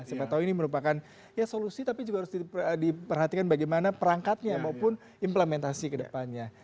siapa tahu ini merupakan ya solusi tapi juga harus diperhatikan bagaimana perangkatnya maupun implementasi ke depannya